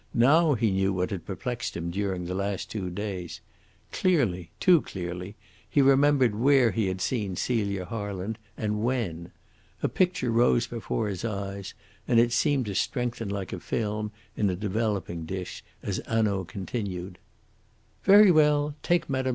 Now he knew what had perplexed him during the last two days. Clearly too clearly he remembered where he had seen Celia Harland, and when. A picture rose before his eyes, and it seemed to strengthen like a film in a developing dish as Hanaud continued: "Very well! take Mme.